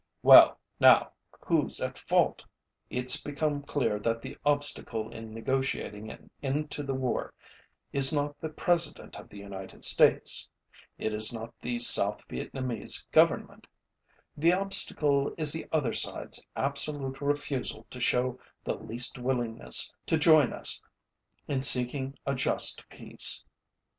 Well, now, whoÆs at fault? ItÆs become clear that the obstacle in negotiating an end to the war is not the President of the United States. It is not the South Vietnamese Government. The obstacle is the other sideÆs absolute refusal to show the least willingness to join us in seeking a just peace.